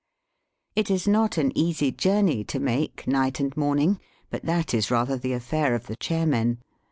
It is not an easy journey to make night and morning, but that is rather the affair of the chair men.